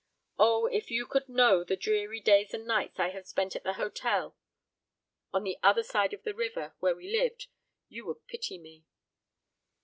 O, if you could know the dreary days and nights I have spent at the hotel on the other side of the river, where we lived, you would pity me."